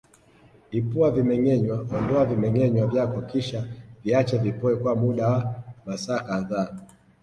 Ipua vimengenywa ondoa vimengenywa vyako kisha viache vipoe kwa muda wa masaa kadhaa